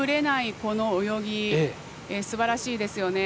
この泳ぎ、すばらしいですね。